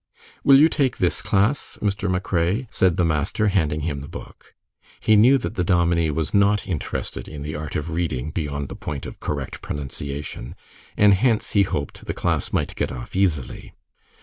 "Will you take this class, Mr. MacRae?" said the master, handing him the book. He knew that the dominie was not interested in the art of reading beyond the point of correct pronunciation, and hence he hoped the class might get off easily.